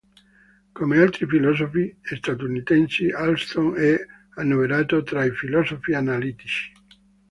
Come altri filosofi statunitensi, Alston è annoverato tra i filosofi analitici.